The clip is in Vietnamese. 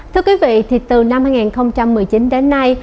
thưa quý vị thì từ năm hai nghìn một mươi chín đến nay